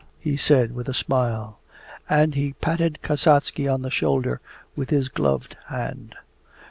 he said with a smile. And he patted Kasatsky on the shoulder with his gloved hand.